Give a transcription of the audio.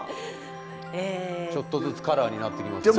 ちょっとずつカラーになってきますね。